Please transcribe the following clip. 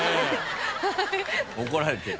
怒られてる。